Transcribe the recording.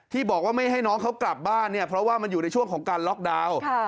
ที่บอกว่าไม่ให้น้องเขากลับบ้านเนี่ยเพราะว่ามันอยู่ในช่วงของการล็อกดาวน์